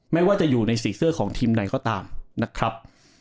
ไม่ว่าจะอยู่ในสีเสื้อของทีมใดก็ตามนะครับ